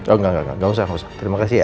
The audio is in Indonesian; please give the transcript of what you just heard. oh enggak enggak enggak usah terima kasih ya